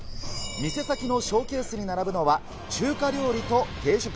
店先のショーケースに並ぶのは、中華料理と定食。